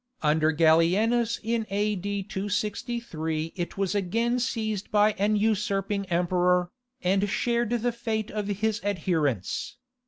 Under Gallienus in A.D. 263 it was again seized by an usurping emperor, and shared the fate of his adherents.